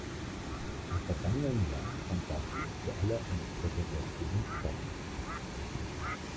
Im vergangenen Jahr fand dazu für alle eine Präsentation statt.